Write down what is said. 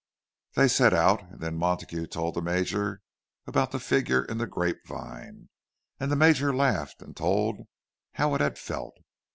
They set out, and then Montague told the Major about the figure in the grape vine, and the Major laughed and told how it had felt.